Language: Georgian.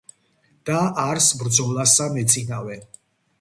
და არს ბრძოლასა მეწინავე.